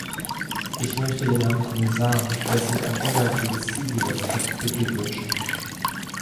Ich möchte den Herrn Kommissar, der sich ein ehrgeiziges Ziel gesetzt hat, beglückwünschen.